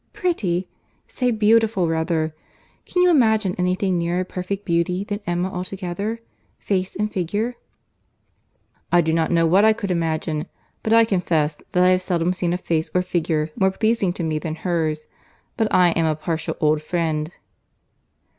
"Pretty! say beautiful rather. Can you imagine any thing nearer perfect beauty than Emma altogether—face and figure?" "I do not know what I could imagine, but I confess that I have seldom seen a face or figure more pleasing to me than hers. But I am a partial old friend."